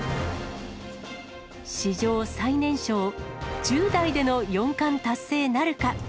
史上最年少、１０代での四冠達成なるか。